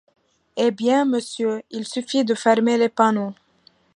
Eh bien, monsieur, il suffit de fermer les panneaux.